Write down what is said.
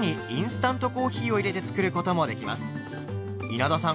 稲田さん